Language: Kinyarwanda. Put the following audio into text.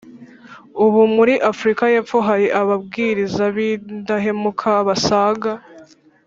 Ubu muri Afurika y Epfo hari ababwiriza b indahemuka basaga